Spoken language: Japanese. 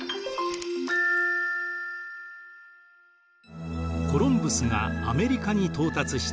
コロンブスがアメリカに到達した１５世紀末